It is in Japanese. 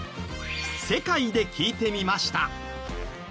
世界で聞いてみました。